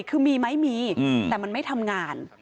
คือมีไหมมีแต่มันไม่ทำงาน